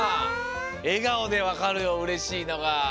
えがおでわかるようれしいのが！